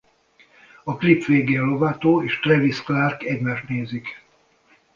A klip végén Lovato és Travis Clark egymást nézik.